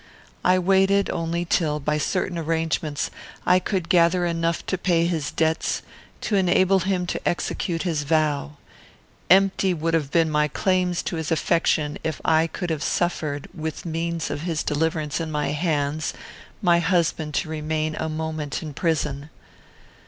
I waited only till, by certain arrangements, I could gather enough to pay his debts, to enable him to execute his vow: empty would have been my claims to his affection, if I could have suffered, with the means of his deliverance in my hands, my husband to remain a moment in prison.